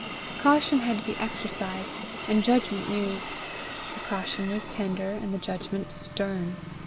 Caution had to be exercised, and judgment used; the caution was tender and the judgment stern.